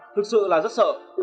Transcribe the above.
thực sự là rất sợ